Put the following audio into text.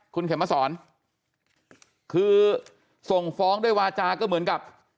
คุณเข็มมาสอนคือส่งฟ้องด้วยวาจาก็เหมือนกับ